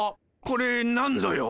これなんぞよ？